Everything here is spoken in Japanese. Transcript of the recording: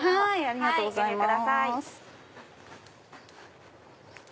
ありがとうございます。